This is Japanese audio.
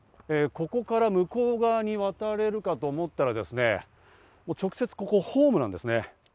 ここから向こう側に渡れるかと思ったらですね、直接、ここホームなんですね。